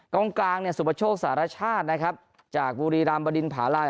กล้องกลางเนี่ยสุพชกสหรัชชาตินะครับจากบุรีรามบดินผาลา